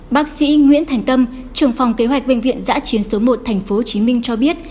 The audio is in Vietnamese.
bác sĩ nguyễn thành tâm trưởng phòng kế hoạch bệnh viện giã chiến số một tp hcm cho biết